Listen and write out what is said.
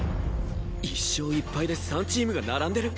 １勝１敗で３チームが並んでる！？